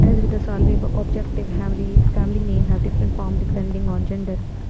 As with all Slavic adjectives, family names have different forms depending on gender.